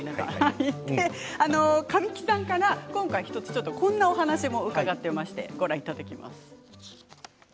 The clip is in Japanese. あの神木さんから今回一つちょっとこんなお話も伺ってましてご覧いただきます。